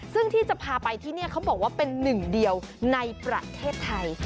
ซึ่งที่จะพาไปที่นี่เขาบอกว่าเป็นหนึ่งเดียวในประเทศไทย